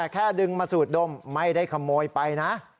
แค่ดึงมาสูดดมไม่ได้ขโมยไปนะ